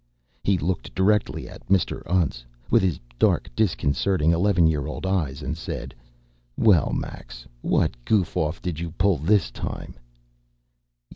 He looked directly at Mr. Untz with his dark disconcerting eleven year old eyes and said, "Well, Max, what goof off did you pull this time?"